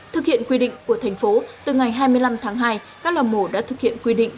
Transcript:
thực hiện quy định của thành phố từ ngày hai mươi năm tháng hai các lò mổ đã thực hiện quy định